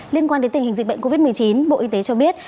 liên quan đến tình hình dịch bệnh covid một mươi chín bộ y tế cho biết